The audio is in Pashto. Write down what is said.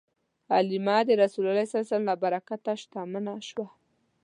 حلیمه د رسول الله ﷺ له برکته شتمنه شوه.